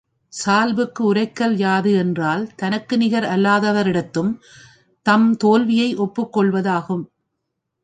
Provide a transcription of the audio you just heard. சால்புக்கு உரைகல் யாது என்றால் தனக்கு நிகர் அல்லாதவரிடத்தும் தம் தோல்வியை ஒப்புக் கொள்வது ஆகும்.